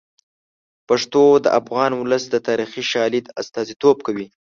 پښتو د افغان ولس د تاریخي شالید استازیتوب کوي.